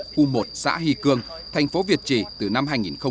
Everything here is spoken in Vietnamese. khu một xã hy cương thành phố việt trì từ năm hai nghìn chín